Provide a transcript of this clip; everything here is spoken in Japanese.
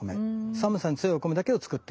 寒さに強いお米だけを作っていた。